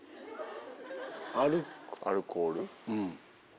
「アルコール」。